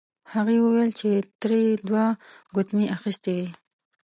هغې وویل چې تره یې دوه ګوتمۍ اخیستې وې.